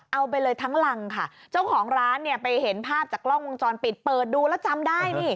เอาไปเลยทั้งรังค่ะเจ้าของร้านเนี่ยไปเห็นภาพจากกล้องวงจรปิดเปิดดูแล้วจำได้นี่